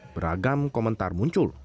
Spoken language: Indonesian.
beragam komentar muncul